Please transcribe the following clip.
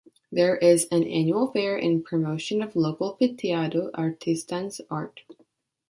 There is an annual fair in promotion of local piteado artisan's art.